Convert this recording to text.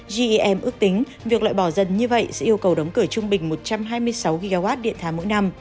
gem ước tính việc loại bỏ dần như vậy sẽ yêu cầu đóng cửa trung bình một trăm hai mươi sáu gigawatt điện tham mỗi năm